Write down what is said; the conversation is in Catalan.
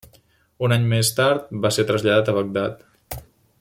Un any més tard va ser traslladat a Bagdad.